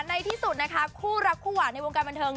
ในที่สุดนะคะคู่รักคู่หวานในวงการบันเทิง